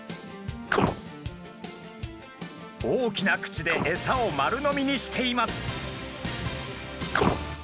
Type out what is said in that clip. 大きな口でえさを丸飲みにしています。